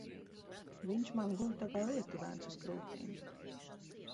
Viņš man guļ tā kā lietuvēns uz krūtīm.